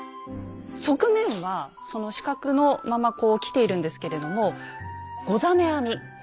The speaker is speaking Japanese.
側面はその四角のままこうきているんですけれども「ござ目編み」